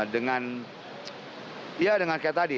dengan ya dengan kayak tadi